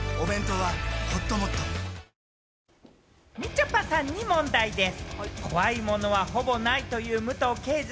ちょぱさんに問題です。